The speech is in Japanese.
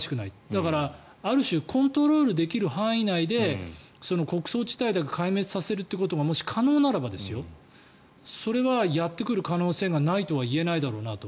だから、ある種コントロールできる範囲内で穀倉地帯だけ壊滅させることがもし可能ならばそれはやってくる可能性がないとは言えないだろうなと。